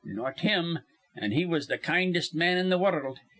Not him. An' he was the kindest man in th' wurruld.